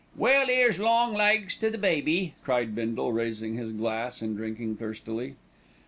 "Well, 'ere's long legs to the baby!" cried Bindle, raising his glass and drinking thirstily.